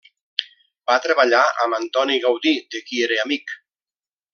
Va treballar amb Antoni Gaudí, de qui era amic.